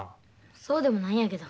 そうでもないんやけど。